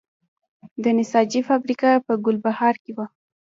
د نساجي فابریکه په ګلبهار کې وه